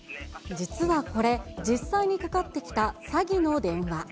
実はこれ、実際にかかってきた詐欺の電話。